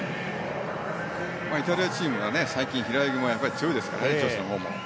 イタリアチームは最近、平泳ぎも強いですからね女子のほうも。